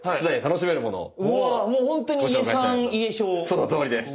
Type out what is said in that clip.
そのとおりです。